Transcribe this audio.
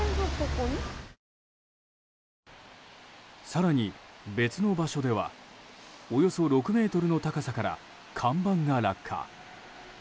更に別の場所ではおよそ６ｍの高さから看板が落下。